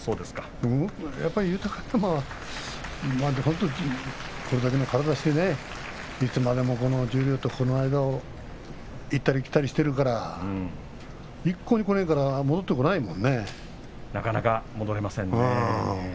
やっぱり豊山は本当にこれだけの体をしていつまでも十両とこの間を行ったり来たりしているから一向にこないからなかなか戻れませんね。